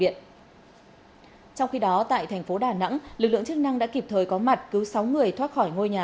trong khi đó tại thành phố đà nẵng lực lượng chức năng đã kịp thời có mặt cứu sáu người thoát khỏi ngôi nhà